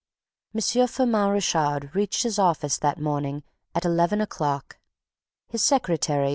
M. Firmin Richard reached his office that morning at eleven o'clock. His secretary, M.